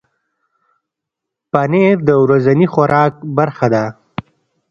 پنېر د ورځني خوراک برخه ده.